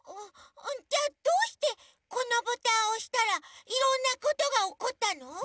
じゃあどうしてこのボタンをおしたらいろんなことがおこったの？